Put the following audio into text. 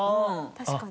確かに。